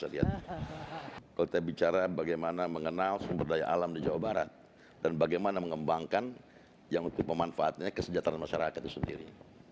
kalau kita bicara bagaimana mengenal sumber daya alam di jawa barat dan bagaimana mengembangkan yang untuk pemanfaatnya kesejahteraan masyarakat itu sendiri